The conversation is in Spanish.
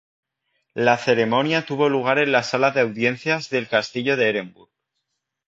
La ceremonia tuvo lugar en la sala de audiencias del castillo de Ehrenburg.